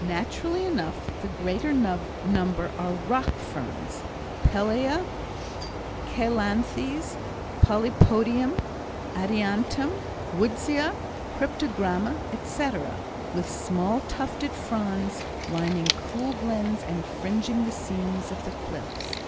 Naturally enough the greater number are rock ferns—pellæa, cheilanthes, polypodium, adiantum, woodsia, cryptogramma, etc., with small tufted fronds, lining cool glens and fringing the seams of the cliffs.